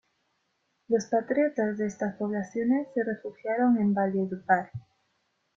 Los patriotas de estas poblaciones se refugiaron en Valledupar.